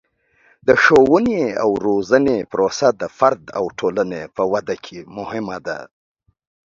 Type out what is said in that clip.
د ښوونې او روزنې پروسه د فرد او ټولنې په ودې کې مهمه ده.